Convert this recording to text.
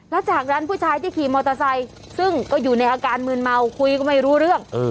แล้วจากนั้นผู้ชายที่ขี่มอเตอร์ไซค์ซึ่งก็อยู่ในอาการมืนเมาคุยก็ไม่รู้เรื่อง